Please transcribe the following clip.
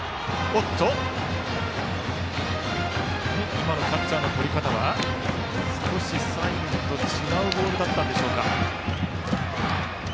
今のキャッチャーのとり方は少しサインと違うボールだったか。